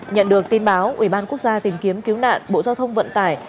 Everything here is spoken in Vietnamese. nhận được tin báo ủy ban quốc gia tìm kiếm cứu nạn bộ giao thông vận tải